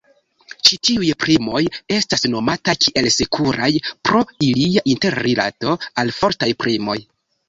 Ĉi tiuj primoj estas nomata kiel "sekuraj" pro ilia interrilato al fortaj primoj.